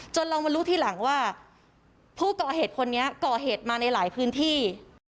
เรามารู้ทีหลังว่าผู้ก่อเหตุคนนี้ก่อเหตุมาในหลายพื้นที่